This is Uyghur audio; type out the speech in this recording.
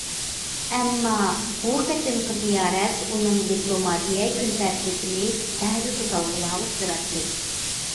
ئەمما بۇ قېتىمقى زىيارەت ئۇنىڭ دىپلوماتىيە كۈن تەرتىپىنى بەزى توسالغۇلارغا ئۇچراتتى.